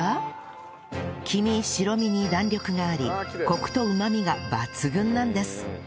黄身白身に弾力がありコクとうまみが抜群なんです